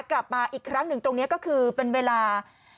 กลับมาอีกครั้งหนึ่งตรงนี้ก็คือเป็นเวลา